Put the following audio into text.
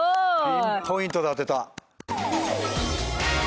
ピンポイントで当てた。